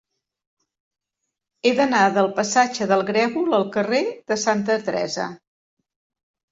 He d'anar del passatge del Grèvol al carrer de Santa Teresa.